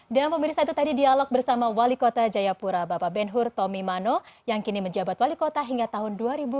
dan memirsa itu tadi dialog bersama wali kota jayapura bapak benhur tomimano yang kini menjabat wali kota hingga tahun dua ribu dua puluh dua